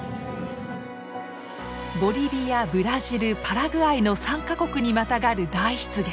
ボリビアブラジルパラグアイの３か国にまたがる大湿原。